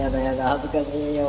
恥ずかしいよ。